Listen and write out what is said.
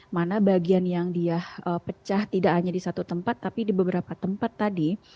mana bagian yang dia pecah tidak hanya di satu tempat tapi di beberapa tempat tadi